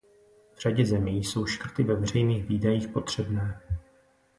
V řadě zemí jsou škrty ve veřejných výdajích potřebné.